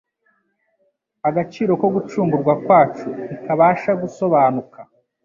Agaciro ko gucungurwa kwacu ntikabasha gusobanuka